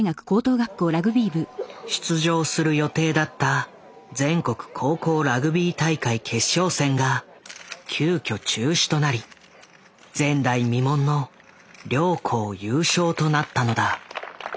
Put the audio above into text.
出場する予定だった全国高校ラグビー大会決勝戦が急きょ中止となり前代未聞の両校優勝となったのだ。